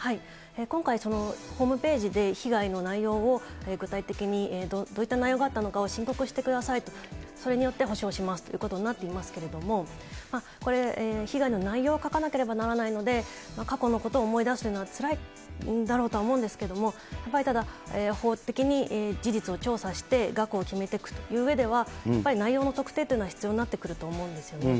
今回、ホームページで被害の内容を具体的に、どういった内容があったのかを申告してくださいと、それによって補償しますということになっていますけれども、これ、被害の内容を書かなければならないので、過去のことを思い出すというのはつらいんだろうとは思うんですけど、やっぱり、法的に事実を調査して、額を決めていくといううえではやっぱり内容の特定というのは必要になってくると思うんですよね。